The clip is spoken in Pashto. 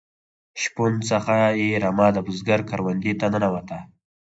شپون څخه یې رمه د بزگر کروندې ته ننوته.